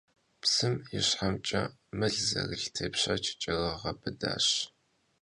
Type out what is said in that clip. Psım yişhemç'e mıl zerılh têpşeç ç'erığebıdaş.